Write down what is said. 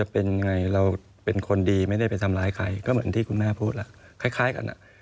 เป็นคนดีไม่ได้ไปทำร้ายใครก็เหมือนที่คุณแม่พูดแล้ว